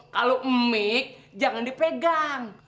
kalo umik jangan dipegang